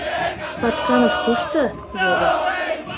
— Патканов кушто? — йодо.